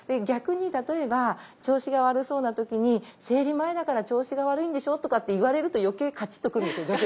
逆に例えば調子が悪そうな時に「生理前だから調子が悪いんでしょ？」とかって言われると余計カチッと来るんですよ